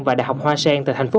và đại học hoa sen tại thành phố